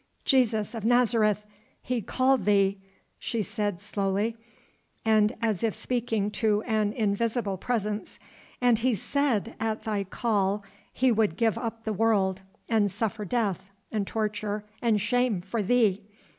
"Jesus of Nazareth, he called thee!" she said slowly and as if speaking to an invisible presence. "And he said at thy call he would give up the world, and suffer death and torture and shame for thee!...